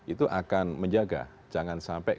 itu akan menjaga jangan sampai